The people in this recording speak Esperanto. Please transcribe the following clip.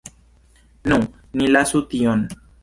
Nu, ni lasu tion.